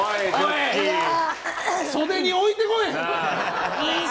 袖に置いてこい！